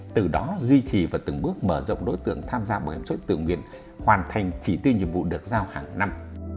từ đó duy trì và từng bước mở rộng đối tượng tham gia bảo hiểm xã hội tự nguyện hoàn thành chỉ tiêu nhiệm vụ được giao hàng năm